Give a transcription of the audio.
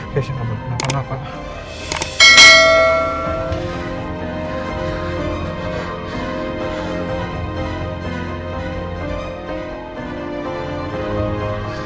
keisha gak boleh kenapa kenapa